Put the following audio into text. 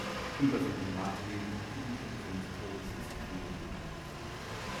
Über sein Privatleben und die Umstände seines Todes ist wenig bekannt.